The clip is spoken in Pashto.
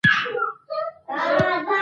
په بل کې تور چاې پروت و.